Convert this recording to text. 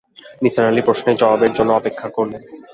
নিসার আলি প্রশ্নের জবাবের জন্যে অপেক্ষা করলেন।